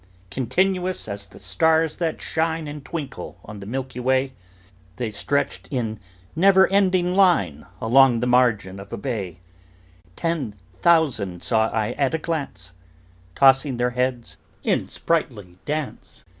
Continuous as the stars that shine And twinkle on the milky way, The stretched in never ending line Along the margin of a bay: Ten thousand saw I at a glance, Tossing their heads in sprightly dance.